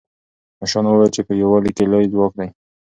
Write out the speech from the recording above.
مشرانو وویل چې په یووالي کې لوی ځواک دی.